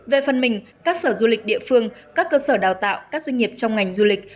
về phần mình các sở du lịch địa phương các cơ sở đào tạo các doanh nghiệp trong ngành du lịch